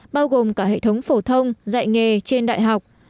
bao gồm cả hệ thống phổ thông dạy nghề trên đại học